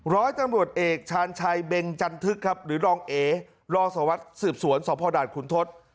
ร้อยตำรวจเอกชาญชัยเบงจันทึกครับหรือรองเอรอสวรรค์สืบสวนสพด่านขุนทศ